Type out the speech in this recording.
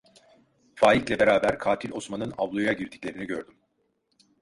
Faik'le beraber Katil Osman'ın avluya girdiklerini gördüm.